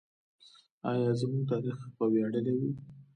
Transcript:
آیا زموږ تاریخ به ویاړلی وي؟